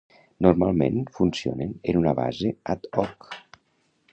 Normalment funcionen en una base ad-hoc.